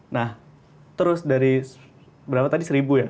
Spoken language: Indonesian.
nah terus dari berapa tadi seribu ya